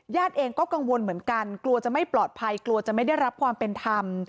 เองก็กังวลเหมือนกันกลัวจะไม่ปลอดภัยกลัวจะไม่ได้รับความเป็นธรรม